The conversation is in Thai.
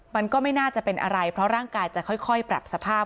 มันก็ไม่น่าจะเป็นอะไรเพราะร่างกายจะค่อยปรับสภาพ